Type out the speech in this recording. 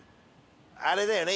あれだよね